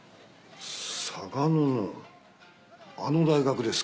嵯峨野のあの大学ですか？